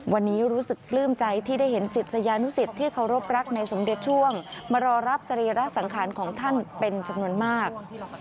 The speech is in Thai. วันนี้รู้สึกปลื้มใจที่ได้เห็นศิษยานุสิตที่เคารพรักในสมเด็จช่วงมารอรับสรีระสังขารของท่านเป็นจำนวนมาก